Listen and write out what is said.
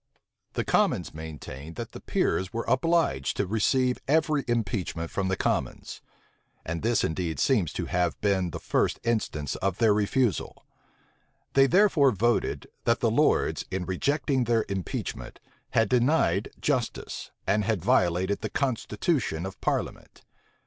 The commons maintained that the peers were obliged to receive every impeachment from the commons; and this indeed seems to have been the first instance of their refusal: they therefore voted, that the lords, in rejecting their impeachment, had denied justice, and had violated the constitution of parliament.